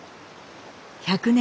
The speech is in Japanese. １００年